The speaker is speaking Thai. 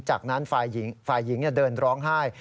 จากนั้นฝ่ายหญิงเดินร้องไห้